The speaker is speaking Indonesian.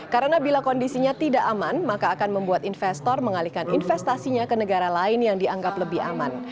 karena bila kondisinya tidak aman maka akan membuat investor mengalihkan investasinya ke negara lain yang dianggap lebih aman